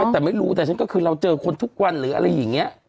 แต่ไม่รู้แต่ฉันก็คือเราเจอคนทุกวันหรืออะไรอย่างนี้